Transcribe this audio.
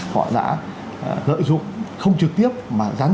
họ đã lợi dụng không trực tiếp mà gián